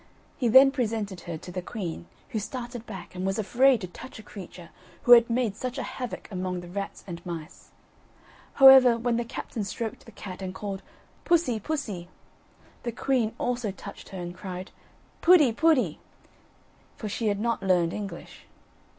He then presented her to the queen, who started back, and was afraid to touch a creature who had made such a havoc among the rats and mice. However, when the captain stroked the cat and called: "Pussy, pussy," the queen also touched her and cried: "Putty, putty," for she had not learned English.